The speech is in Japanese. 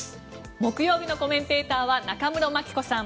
木曜日のコメンテーターは中室牧子さん